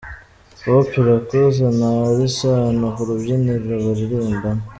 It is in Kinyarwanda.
Hope Irakoze na Alyn Sano ku rubyiniro baririmbana.